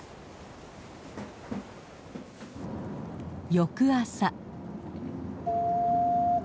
翌朝。